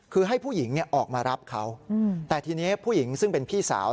คือให้ผู้หญิงออกมารับเขาแต่ทีนี้ผู้หญิงซึ่งเป็นพี่สาว